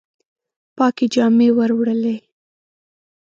پاکي جامي وروړلي